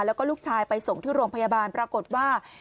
แล้วก็ลูกชายไปส่งที่โรงพยาบาลปรากฏว่า